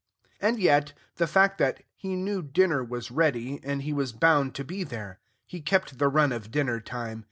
And yet, the fact was, he knew dinner was ready, and he was bound to be there. He kept the run of dinner time.